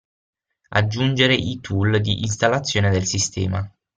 Aggiungere i tool di installazione del sistema.